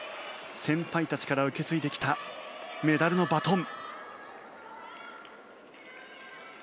先輩たちから受け継いできたメダルのバトン。